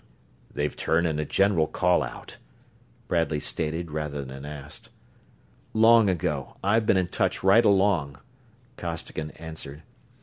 "You've turned in a general call out," Bradley stated, rather than asked. "Long ago I've been in touch right along," Costigan answered.